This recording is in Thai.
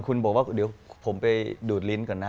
คุณบอกว่าเดี๋ยวผมไปดูดลิ้นก่อนนะ